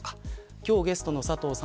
今日、ゲストの佐藤さん